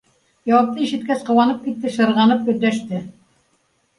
Яуапты ишеткәс, ҡыуанып китте, шырғанып өндәште: